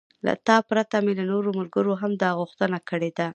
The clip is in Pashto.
له تا پرته مې له نورو ملګرو هم دا غوښتنه کړې ده.